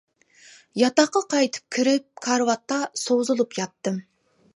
ياتاققا قايتىپ كىرىپ، كارىۋاتتا سوزۇلۇپ ياتتىم.